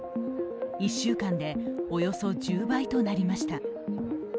１週間でおよそ１０倍となりました。